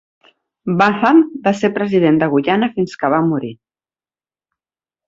Burnham va ser president de Guyana fins que va morir.